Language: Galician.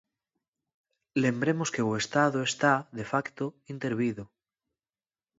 Lembremos que o Estado está, de facto, intervido.